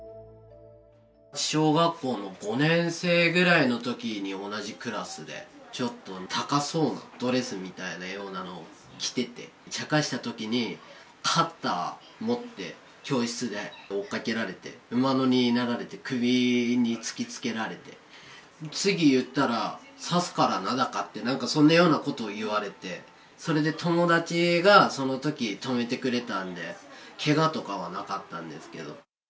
小学校の５年生ぐらいのときに同じクラスで、ちょっと高そうなドレスみたいなようなのを着てて、ちゃかしたときにカッター持って、教室で追っかけられて、馬乗りになられて、首に突きつけられて、次言ったら刺すからなだかなんかそんなようなことを言われて、それで友達が、そのとき止めてくれたんで、けがとかはなかったんですけれども。